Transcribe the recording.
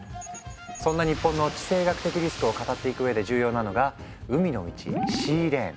そんな日本の地政学的リスクを語っていく上で重要なのが海の道シーレーン！